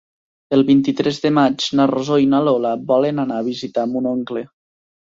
El vint-i-tres de maig na Rosó i na Lola volen anar a visitar mon oncle.